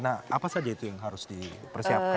nah apa saja itu yang harus dipersiapkan